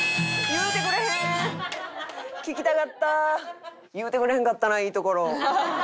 言うてくれへんかったないいところ。